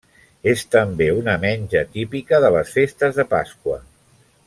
És també una menja típica de les festes de Pasqua.